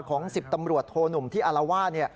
ของ๑๐ตำรวจโทนุ่มที่อลาว่า